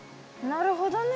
なるほどね。